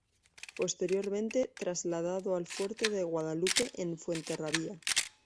Posteriormente trasladado al fuerte de Guadalupe en Fuenterrabía.